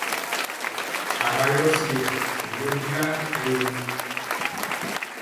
Aɓa yɔ syɔ mɛ mi bula ɓɛ yoo.